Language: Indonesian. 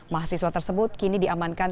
mahasiswa tersebut kini diamankan